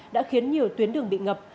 đã khiến nhiều tuyến đường bị ngập